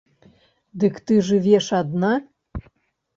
Дык ты жывеш адна?